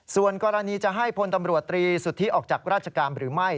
ส่วนกรณีจะให้พลตำรวจตรีสุทธิออกจากราชการหรือไม่